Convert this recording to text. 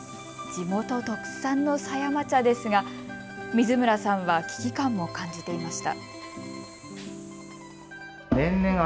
地元特産の狭山茶ですが水村さんは危機感も感じていました。